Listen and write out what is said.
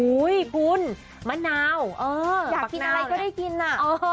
คุณมะนาวอยากกินอะไรก็ได้กินน่ะ